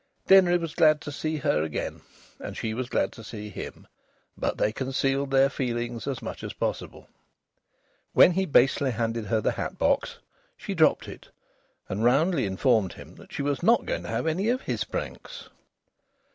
Denry was glad to see her again, and she was glad to see him, but they concealed their feelings as much as possible. When he basely handed her the hat box she dropped it, and roundly informed him that she was not going to have any of his pranks.